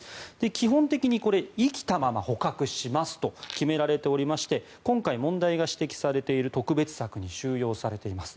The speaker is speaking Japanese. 基本的に生きたまま捕獲しますと決められていまして今回、問題が指摘されている特別柵に収容されています。